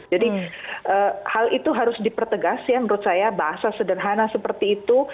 jadi hal itu harus dipertegas ya menurut saya bahasa sederhana seperti itu